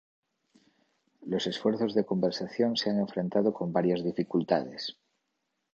Los esfuerzos de conservación se han enfrentado con varias dificultades.